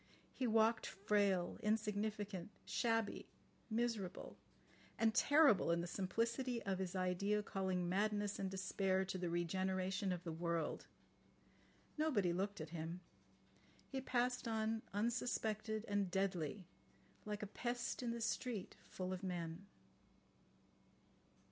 He walked frail, insignificant, shabby, miserable—and terrible in the simplicity of his idea calling madness and despair to the regeneration of the world. Nobody looked at him. He passed on unsuspected and deadly, like a pest in the street full of men.